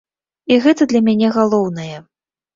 І гэта для мяне галоўнае.